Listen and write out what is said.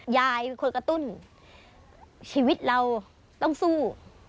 ยายเป็นคนกระตุ้นชีวิตเราต้องสู้